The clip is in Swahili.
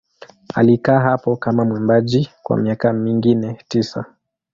Alikaa hapo kama mwimbaji kwa miaka mingine tisa.